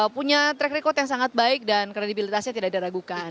punya track record yang sangat baik dan kredibilitasnya tidak diragukan